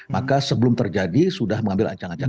maka sebelum terjadi sudah mengambil ancang ancang